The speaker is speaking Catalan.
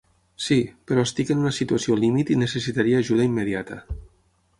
Sí, però estic en una situació limit i necessitaria ajuda immediata.